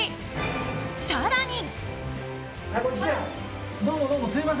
更に。